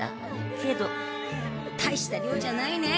けどたいした量じゃないねえ。